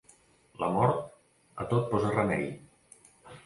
La mort, a tot posa remei.